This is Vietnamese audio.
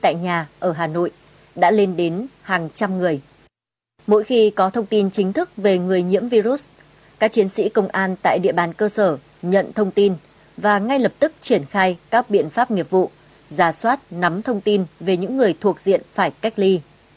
mỗi khi có thông tin chính thức về người nhiễm virus các chiến sĩ công an tại địa bàn cơ sở nhận thông tin và ngay lập tức triển khai các biện pháp nghiệp vụ giả soát nắm thông tin về những người thuộc diện phải cách ly